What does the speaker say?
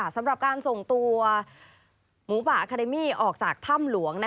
สำหรับการส่งตัวหมูป่าอาคาเดมี่ออกจากถ้ำหลวง